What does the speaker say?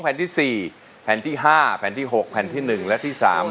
แผ่นที่สี่แผ่นที่ห้าแผ่นที่หกแผ่นที่หนึ่งและที่สาม